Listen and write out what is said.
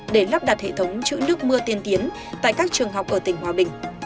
để lắp đặt hệ thống chữ nước mưa tiên tiến tại các trường học ở tỉnh hòa bình